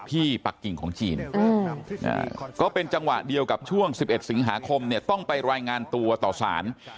ปักกิ่งของจีนก็เป็นจังหวะเดียวกับช่วง๑๑สิงหาคมเนี่ยต้องไปรายงานตัวต่อสาร